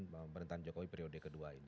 pemerintahan jokowi periode kedua ini